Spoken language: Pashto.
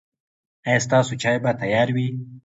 ایا ستاسو چای به تیار وي؟